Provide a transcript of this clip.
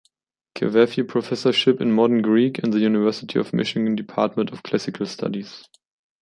Cavafy Professorship in Modern Greek and the University of Michigan Department of Classical Studies.